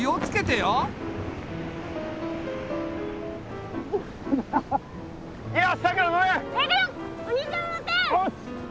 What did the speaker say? よし！